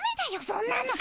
そんなの。